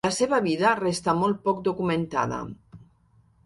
La seva vida resta molt poc documentada.